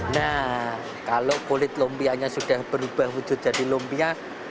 nah kalau kulit lumpianya sudah berubah menjadi lumpia